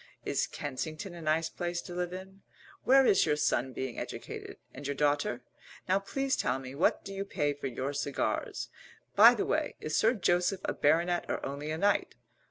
Is Kensington a nice place to live in? Where is your son being educated and your daughter? Now please tell me, what do you pay for your cigars? By the way, is Sir Joseph a baronet or only a knight?